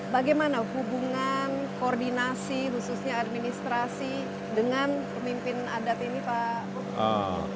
bagaimana hubungan koordinasi khususnya administrasi dengan pemimpin adat ini pak